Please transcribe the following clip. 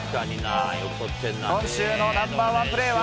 今週のナンバーワンプレーは？